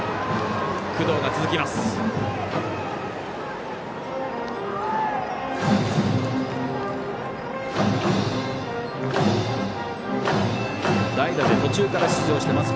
工藤が続きます。